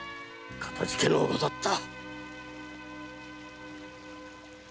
かたじけのうござった。